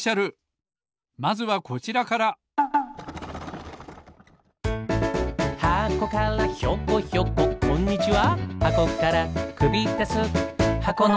ほんじつはまずはこちらからこんにちは。